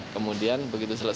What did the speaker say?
kemudian begitu selesai